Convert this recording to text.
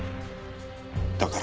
だから。